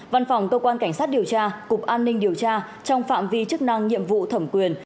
văn phòng cơ quan cảnh sát điều tra cục an ninh điều tra trong phạm vi chức năng nhiệm vụ thẩm quyền